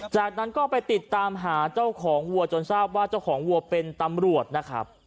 จากนั้นก็ไปติดตามหาเจ้าของวัวจนทราบว่าเจ้าของวัวเป็นตำรวจนะครับ